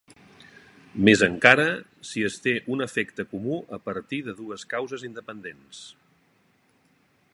Més encara si es té un efecte comú a partir de dues causes independents.